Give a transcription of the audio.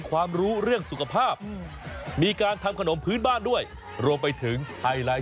ก็คือมีตั้งแต่วัยเด็กอย่างนี้